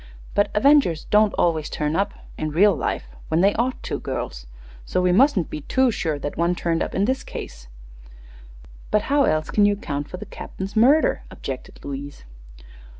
But avengers don't always turn up, in real life, when they ought to, girls; so we mustn't be too sure that one turned up in this case." "But now else can you account for the captain's murder?" objected Louise.